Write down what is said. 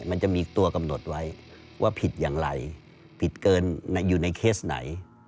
มันจะมีตัวกำหนดไว้ว่าผิดอย่างไรผิดเกินอยู่ในเคสไหน